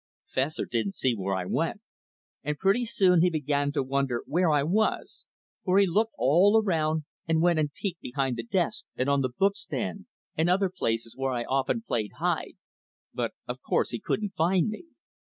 Fessor didn't see where I went, and pretty soon he began to wonder where I was, for he looked all around and went and peeked behind the desk and on the book stand and other places where I often "played hide," but of course he couldn't find me.